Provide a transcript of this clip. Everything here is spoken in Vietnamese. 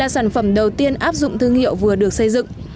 ba sản phẩm đầu tiên áp dụng thương hiệu vừa được xây dựng